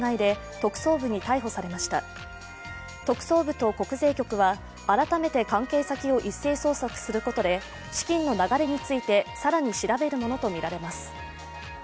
特捜部と国税局は改めて関係先を一斉捜索することで資金の流れについて更に調べるものとみられます。